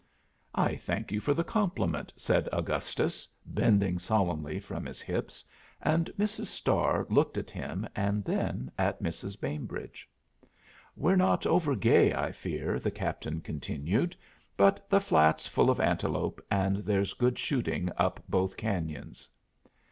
"I thank you for the compliment," said Augustus, bending solemnly from his hips; and Mrs. Starr looked at him and then at Mrs. Bainbridge. "We're not over gay, I fear," the Captain continued; "but the flat's full of antelope, and there's good shooting up both canyons."